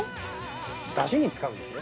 ダシに使うんですね。